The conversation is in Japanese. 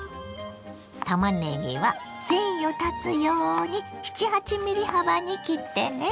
たまねぎは繊維を断つように７８ｍｍ幅に切ってね。